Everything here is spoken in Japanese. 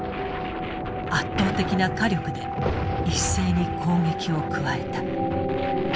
圧倒的な火力で一斉に攻撃を加えた。